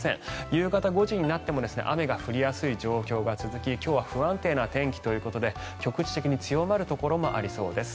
夕方５時になっても雨が降りやすい状況が続き今日は不安定な天気ということで局地的に強まるところもありそうです。